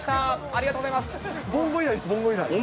ありがとうございます。